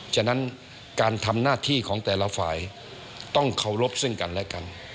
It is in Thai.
ฉะนั้นการทำหน้าที่ของแต่ละฝ่ายต้องเคารพซึ่งกันและกัน